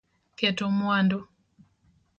Keto mwandu